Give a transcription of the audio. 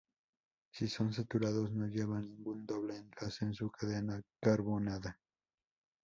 Si son saturados no llevan ningún doble enlace en su cadena carbonada.